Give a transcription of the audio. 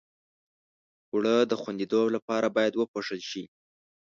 اوړه د خوندیتوب لپاره باید پوښل شي